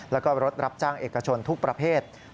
แล้วก็รถรับจ้างเอกชนทุกประเภท